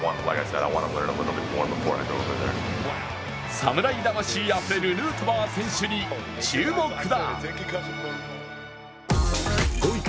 サムライ魂あふれるヌートバー選手に注目だ。